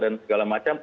dan segala macam